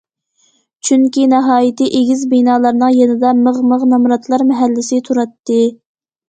چۈنكى ناھايىتى ئېگىز بىنالارنىڭ يېنىدا مىغ- مىغ نامراتلار مەھەللىسى تۇراتتى.